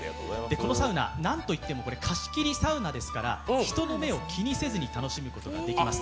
このサウナ、なんといっても貸し切りサウナですから人の目を気にせずに楽しむことができます。